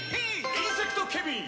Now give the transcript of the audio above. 「インセクトケミー！」